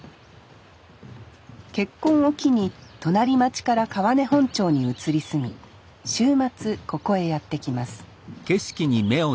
結婚を機に隣町から川根本町に移り住み週末ここへやって来ます